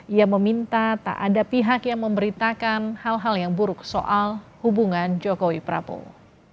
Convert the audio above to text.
ia meminta tak ada pihak yang memberitakan hal hal yang buruk soal hubungan jokowi prabowo